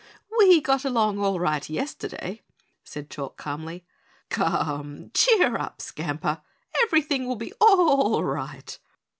"We got along all right yesterday," said Chalk calmly. "Come, cheer up, Skamper, everything will be ALL right."